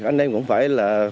anh em cũng phải là